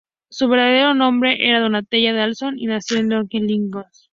Su verdadero nombre era Donatella Donaldson, y nació en Oak Grove, Illinois.